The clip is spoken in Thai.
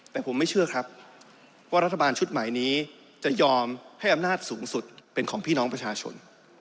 แต่ผมไม่เชื่อครับว่ารัฐบาลชุดใหม่นี้จะยอมให้อำนาจสูงสุดเป็นของพี่น้องประชาชน